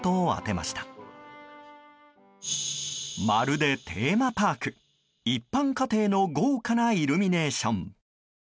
まるでテーマパーク、一般家庭の豪華なイルミネーション。